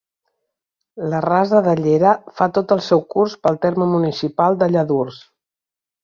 La Rasa de Llera fa tot el seu curs pel terme municipal de Lladurs.